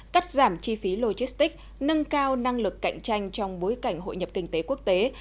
cắt giảm chi phí logistics nâng cao năng lực cạnh tranh trong bối cảnh hội nhập kinh tế quốc tế